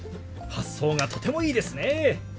発想がとてもいいですね。